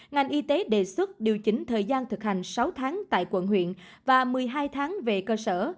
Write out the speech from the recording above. ngành y tế đề xuất điều chỉnh thời gian thực hành sáu tháng tại quận huyện và một mươi hai tháng về cơ sở